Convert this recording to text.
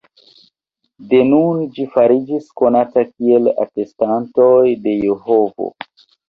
De nun ĝi fariĝis konata kiel "Atestantoj de Jehovo".